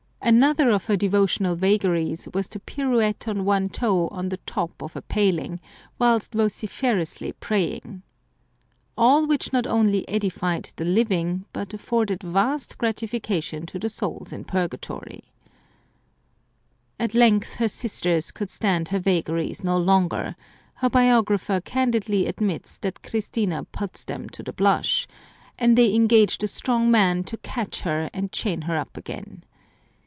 Another of her devotional vagaries was to pirouette on one toe on the top of a paling, whilst vociferously praying. All which not only edified the living, but afforded vast gratification to the souls in Purgatory. At length her sisters could stand her vagaries no longer, — her biographer candidly admits that 202 L Some Crazy Saints Christina put them to the blush, — and they engaged a strong man to catch her and chain her up again.